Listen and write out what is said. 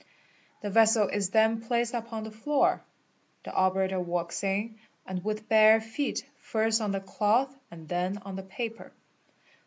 The vessel is then placed upon the floor. The Operator walks, and with bare feet, first on the cloth and then on the paper.